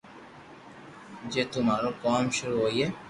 جي تو مارو ڪوم ݾروع ھوئي